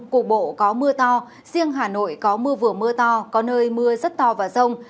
cục bộ có mưa to riêng hà nội có mưa vừa mưa to có nơi mưa rất to và rông